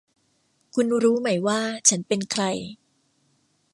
คุณรู้ไหมว่าฉันเป็นใคร